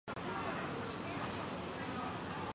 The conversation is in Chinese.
这些国家有时统称英语圈。